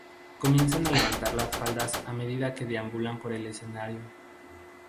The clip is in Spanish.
Comienzan a levantar las faldas a medida que deambulan por el escenario.